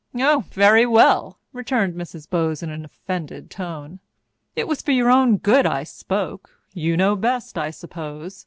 "Oh, very well!" returned Mrs. Bowes in an offended tone. "It was for your own good I spoke. You know best, I suppose.